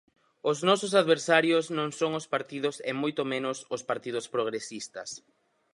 Os nosos adversarios non son os partidos e moito menos os partidos progresistas.